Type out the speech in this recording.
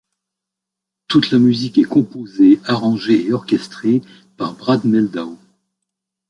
Toute la musique est composée, arrangée et orchestrée par Brad Mehldau.